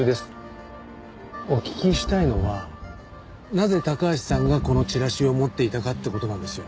お聞きしたいのはなぜ高橋さんがこのチラシを持っていたかって事なんですよ。